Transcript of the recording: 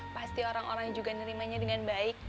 pasti orang orang juga nerimanya dengan baik